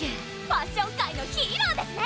ファッション界のヒーローですね！